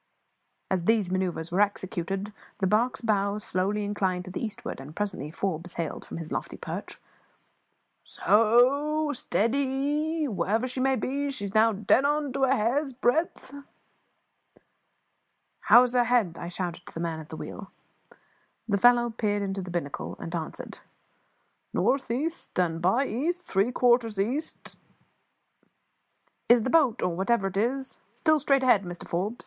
As these manoeuvres were executed, the barque's bows slowly inclined to the eastward, and presently Forbes hailed from his lofty perch "S o, stead y! Whatever she may be, she is now dead on end to a hair's breadth." "How is her head?" I shouted to the man at the wheel. The fellow peered into the binnacle, and answered "North east and by east, three quarters east." "Is the boat or whatever it is still straight ahead, Mr Forbes?"